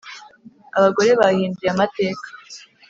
abagore bahinduye amateka